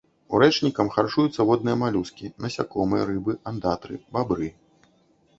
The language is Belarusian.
Урэчнікам харчуюцца водныя малюскі, насякомыя, рыбы, андатры, бабры.